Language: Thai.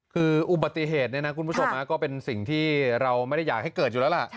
คืออุบัติเหตุก็เป็นสิ่งที่เราไม่ได้อยากให้เกิดอยู่แล้วล่ะ